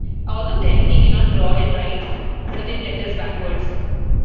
Although ten, he cannot draw and writes certain letters backwards.